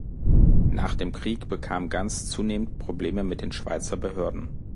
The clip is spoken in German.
Nach dem Krieg bekam Ganz zunehmend Probleme mit den Schweizer Behörden.